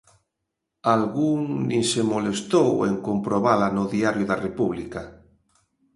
Algún nin se molestou en comprobala no Diário da República.